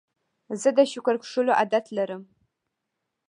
زه د شکر کښلو عادت لرم.